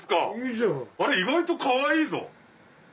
あれ意外とかわいいぞ。